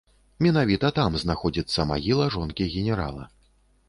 Менавіта там знаходзіцца магіла жонкі генерала.